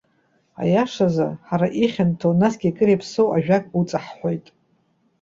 Аиашазы, ҳара ихьанҭоу, насгьы кыр иаԥсоу ажәак уҵаҳҳәоит.